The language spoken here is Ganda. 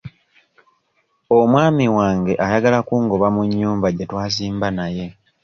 Omwami wange ayagala kungoba mu nnyumba gye twazimba naye.